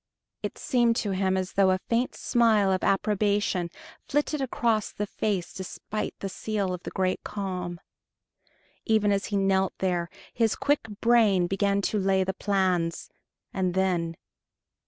It seemed to him as though a faint smile of approbation flitted across the face despite the seal of the Great Calm. Even as he knelt there, his quick brain began to lay the plans and then